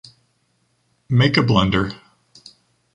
Make a blunder.